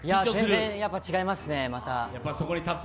全然違いますね、また。